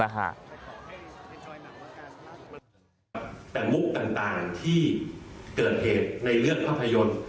แต่มุกต่างที่เกิดเหตุในเรื่องภาพยนตร์